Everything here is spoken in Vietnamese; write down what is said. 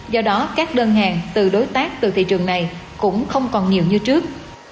do đó các đơn hàng từ đối tác từ thị trường này cũng không còn nhiều như trước